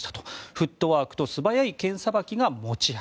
フットワークと素早い剣さばきが持ち味。